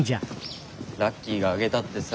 ラッキーが挙げたってさ。